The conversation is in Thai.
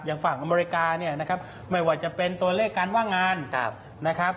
อย่างฝั่งอเมริกาไม่ว่าจะเป็นตัวเลขการว่างงานนะครับ